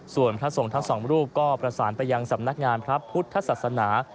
ส่วนพระสงฆ์ทั้งสองรูปก็ประสานไปยังสำนักงานพระพุทธศาสนา